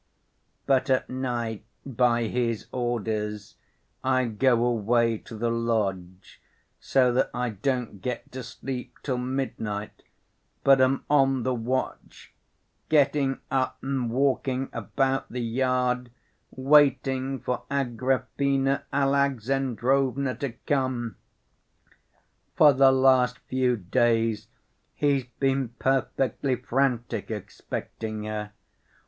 But at night, by his orders, I go away to the lodge so that I don't get to sleep till midnight, but am on the watch, getting up and walking about the yard, waiting for Agrafena Alexandrovna to come. For the last few days he's been perfectly frantic expecting her.